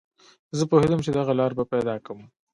زه پوهېدم چې دغه لاره به پیدا کوم